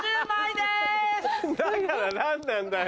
だから何なんだよ。